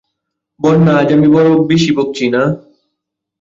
বন্যা, আজ আমি বড়ো বেশি বকছি, না?